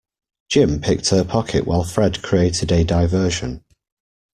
Jim picked her pocket while Fred created a diversion